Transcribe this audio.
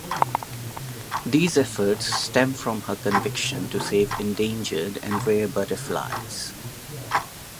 These efforts stem from her conviction to save endangered and rare butterflies.